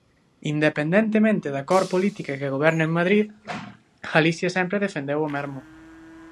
Independentemente da cor política que goberne en Madrid, Galicia sempre defendeu o mesmo.